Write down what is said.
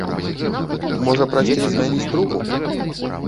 Можа, прасцей змяніць трупу?